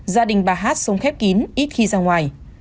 gia đình bà hát xuống khép kín ít khi ra ngoài